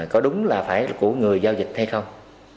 có đúng là phải là của người giao dịch hay không